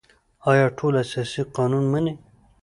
آیا ټول اساسي قانون مني؟